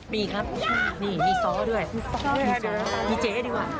มีครับมีซ้อด้วยมีเจ๊ดีกว่า